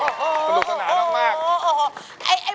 ผ่านพัดเลยเนอะฝากไว้ตัวอยู่ให้ดี